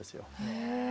へえ。